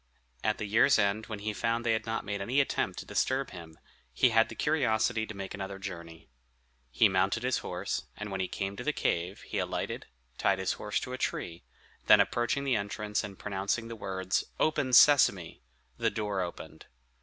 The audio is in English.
At the year's end, when he found they had not made any attempt to disturb him, he had the curiosity to make another journey. He mounted his horse, and when he came to the cave he alighted, tied his horse to a tree, then approaching the entrance, and pronouncing the words, "Open, Sesame!" the door opened.